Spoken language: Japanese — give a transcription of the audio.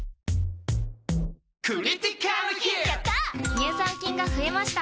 乳酸菌が増えました。